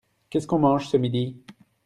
Qu'est-ce qu'on mange ce midi ?